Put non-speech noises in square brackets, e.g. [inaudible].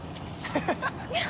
ハハハ [laughs]